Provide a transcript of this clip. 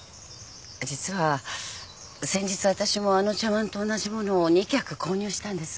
実は先日私もあの茶わんと同じ物を２客購入したんです。